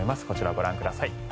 こちらをご覧ください。